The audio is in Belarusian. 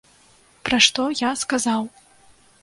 Пра што я сказаў.